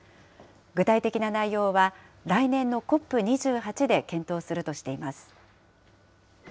具体的な内容は来年のＣＯＰ２８で検討するとしています。